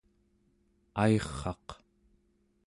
airraq